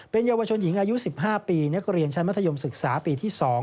เยาวชนหญิงอายุ๑๕ปีนักเรียนชั้นมัธยมศึกษาปีที่๒